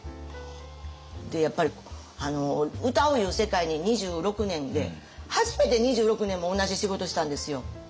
やっぱり歌ういう世界に２６年で初めて２６年も同じ仕事をしたんですよ。